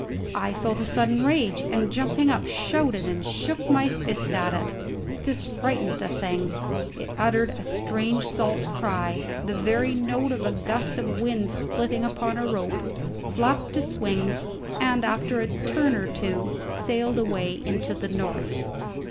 I felt a sudden rage, and, jumping up, shouted and shook my fist at it. This frightened the thing. It uttered a strange salt cry the very note of a gust of wind splitting upon a rope flapped its wings, and after a turn or two sailed away into the north.